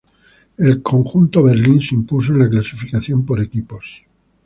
El conjunto Bertin se impuso en la clasificación por equipos.